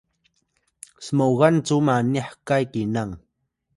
smoya cu mani hkay kinang